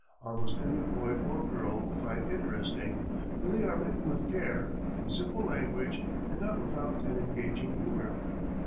Almost any boy or girl will find them interesting, for they are written with care, in simple language, and not without an engaging humor.